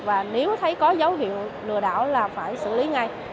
và nếu thấy có dấu hiệu lừa đảo là phải xử lý ngay